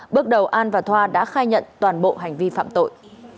bước đầu an và thoa đã khai nhận toàn bộ hành vi phạm tội